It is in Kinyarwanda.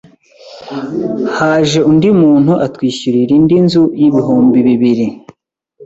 Haje undi muntu atwishyurira indi nzu y’ibihumbi bibiri,